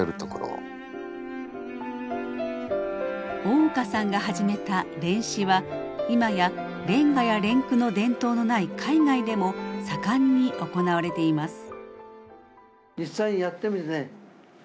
大岡さんが始めた連詩は今や連歌や連句の伝統のない海外でも盛んに行われています。